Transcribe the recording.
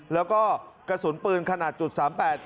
แล้วก็กระสุนปืนขนาด๐๓๘ตก